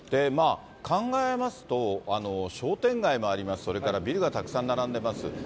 考えますと、商店街もあります、それからビルがたくさん並んでます。